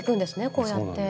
こうやって。